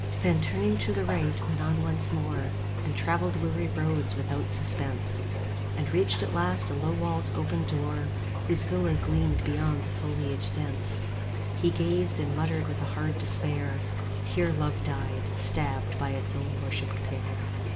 Then turning to the right went on once more And travelled weary roads without suspense; And reached at last a low wall's open door, 15 Whose villa gleamed beyond the foliage dense: He gazed, and muttered with a hard despair, Here Love died, stabbed by its own worshipped pair.